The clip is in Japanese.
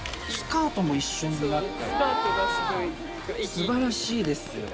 すばらしいですよ。